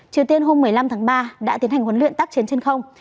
triều tiên hôm một mươi năm tháng ba đã tiến hành huấn luyện tác chiến trên không